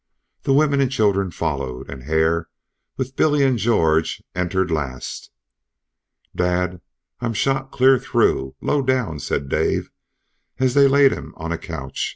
The women and children followed, and Hare, with Billy and George, entered last. "Dad I'm shot clean through low down," said Dave, as they laid him on a couch.